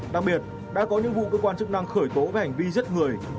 đặc biệt đã có những vụ cơ quan chức năng khởi tố về hành vi giết người